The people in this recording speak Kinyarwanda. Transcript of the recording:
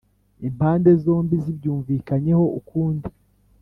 impande zombi zibyumvikanyeho ukundi